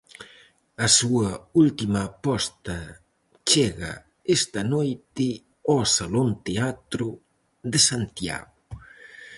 A súa última aposta chega esta noite ao Salón Teatro de Santiago.